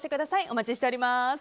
お待ちしています。